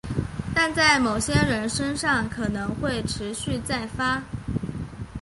但在某些人身上可能会持续再发。